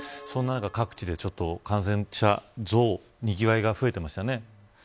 そんな中、各地で感染者増にぎわいが増えてましたね。